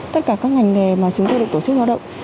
tất cả các ngành nghề mà chúng tôi được tổ chức lao động